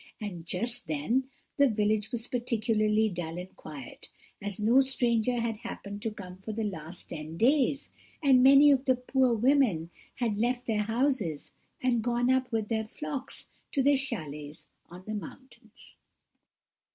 And just then the village was particularly dull and quiet, as no stranger had happened to come for the last ten days, and many of the poor women had left their houses and gone up with their flocks to the châlets on the mountains.